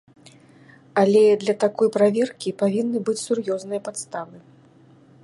Але для такой праверкі павінны быць сур'ёзныя падставы.